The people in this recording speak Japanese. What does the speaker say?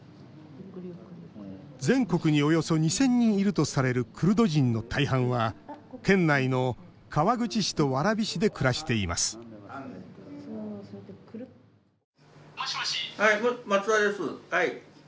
全国におよそ２０００人いるとされるクルド人の大半は県内の川口市と蕨市で暮らしています松澤です。